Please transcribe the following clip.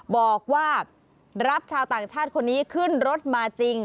บอกว่ารับชาวต่างชาติคนนี้ขึ้นรถมาจริง